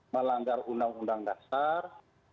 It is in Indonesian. melanggar undang undang dasar